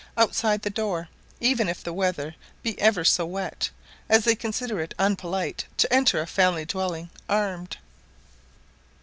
outside the door, even if the weather be ever so wet; as they consider it unpolite to enter a family dwelling armed.